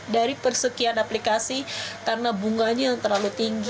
dari persekian aplikasi karena bunganya yang terlalu tinggi